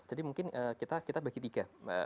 jadi mungkin kita bagi tiga mbak desi ya